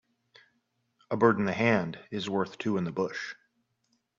A bird in the hand is worth two in the bush.